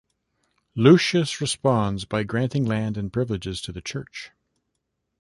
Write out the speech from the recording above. Lucius responds by granting land and privileges to the Church.